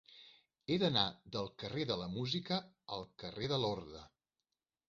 He d'anar del carrer de la Música al carrer de Lorda.